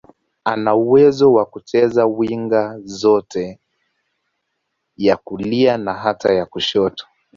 Ana uwezo wa kucheza winga zote, ya kulia na hata ya kushoto.